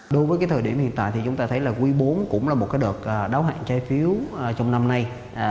đối với thời điểm hiện tại chúng ta thấy quý bốn cũng là một đợt đáo hạng trái phiếu trong năm nay